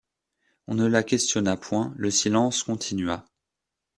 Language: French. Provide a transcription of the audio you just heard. On ne la questionna point, le silence continua.